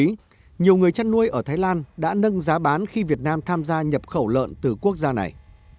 trong tháng sáu nhiều người chăn nuôi ở thái lan đã nâng giá bán khi việt nam tham gia nhập khẩu lợn từ quốc gia này